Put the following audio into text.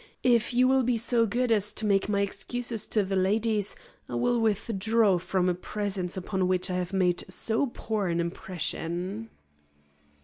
If you will be so good as to make my excuses to the ladies, I will withdraw from a presence upon which I have made so poor an impression."